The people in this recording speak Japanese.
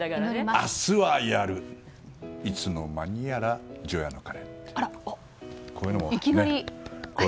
「明日はやるいつの間にやら除夜の鐘」。